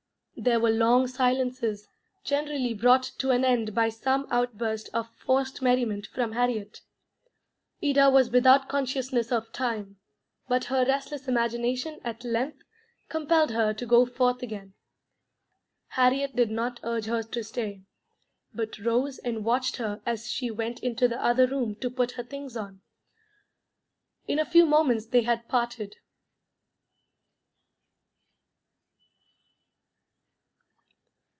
There were long silences, generally brought to an end by some outburst of forced merriment from Harriet. Ida was without consciousness of time, but her restless imagination at length compelled her to go forth again. Harriet did not urge her to stay, but rose and watched her as she went into the other room to put her things on. In a few moments they had parted.